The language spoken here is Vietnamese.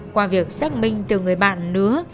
qua việc xác minh từ người bạn nứa